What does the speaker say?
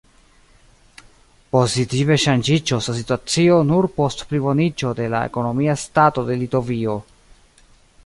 Pozitive ŝanĝiĝos la situacio nur post pliboniĝo de la ekonomia stato de Litovio.